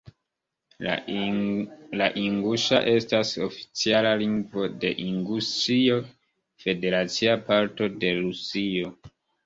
La inguŝa estas oficiala lingvo de Inguŝio, federacia parto de Rusio.